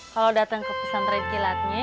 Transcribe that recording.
kalo dateng ke pesan red kilatnya